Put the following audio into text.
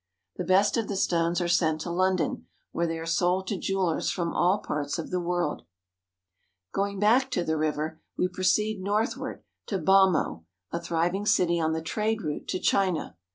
The best of the stones are sent to London, where they are sold to jewelers from all parts of the world. Going back to the river, we proceed north ward to Bhamo (ba mo'), a thriving city on the trade route to China.